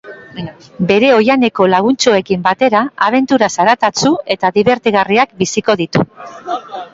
Bere oihaneko laguntxoekin batera abentura zaratatsu eta dibertigarriak biziko ditu.